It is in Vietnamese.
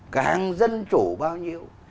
càng dân chủ bao nhiêu